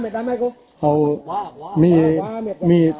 เหลืองเท้าอย่างนั้น